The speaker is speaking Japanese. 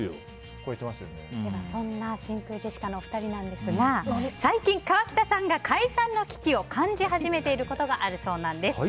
そんな真空ジェシカのお二人なんですが最近、川北さんが解散の危機を感じ始めていることがあるそうなんです。